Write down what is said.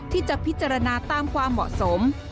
ที่จะพิจารณาตามความเหมาะสม